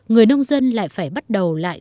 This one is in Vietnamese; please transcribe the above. người nông dân lại phải bắt đầu lại